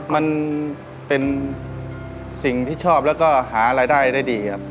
มันเป็นสิ่งที่ชอบแล้วก็หารายได้ได้ดีครับ